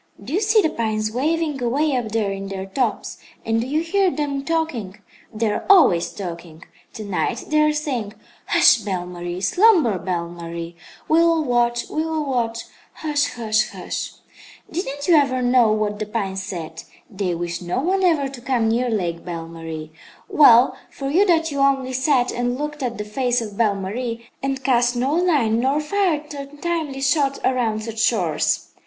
"Do you see the pines waving, away up there in their tops, and do you hear them talking? They are always talking. To night they are saying: 'Hush, Belle Marie; slumber, Belle Marie; we will watch, we will watch, hush, hush, hush!' Didn't you ever know what the pines said? They wish no one ever to come near Lake Belle Marie. Well for you that you only sat and looked at the face of Belle Marie, and cast no line nor fired untimely shot around such shores!